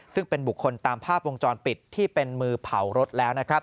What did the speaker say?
ซึ่งเป็นบุคคลตามภาพวงจรปิดที่เป็นมือเผารถแล้วนะครับ